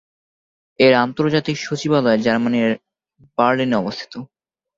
এর আন্তর্জাতিক সচিবালয় জার্মানীর বার্লিনে অবস্থিত।